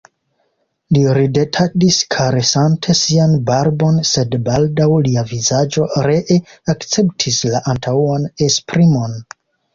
Li ridetadis, karesante sian barbon, sed baldaŭ lia vizaĝo ree akceptis la antaŭan esprimon.